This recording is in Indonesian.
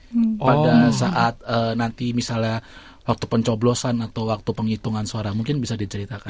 nah pada saat nanti misalnya waktu pencoblosan atau waktu penghitungan suara mungkin bisa diceritakan